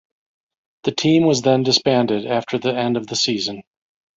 The team was then disbanded after the end of the season.